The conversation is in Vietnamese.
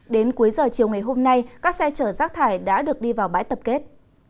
đến cuối giờ chiều ngày hôm nay các xe chở rác thải đã được đi vào bãi tập kết